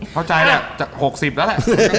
เข้าใจเนี่ยจาก๖๐แล้วแหละ